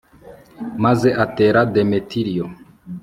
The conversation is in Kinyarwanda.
maze atera demetiriyo